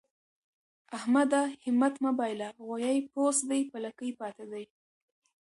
احمده! همت مه بايله؛ غويی پوست دی په لکۍ پاته دی.